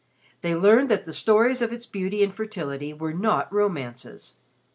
They learned that the stories of its beauty and fertility were not romances.